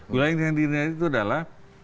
wilayah yang dihindari itu adalah